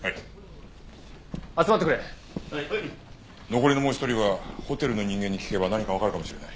残りのもう１人はホテルの人間に聞けば何かわかるかもしれない。